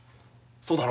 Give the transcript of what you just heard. そうだろ。